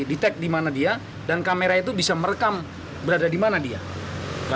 kita bisa detect dimana dia dan kamera itu bisa merekam berada dimana dia